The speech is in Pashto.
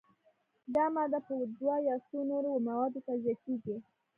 دا ماده په دوو یا څو نورو موادو تجزیه کیږي.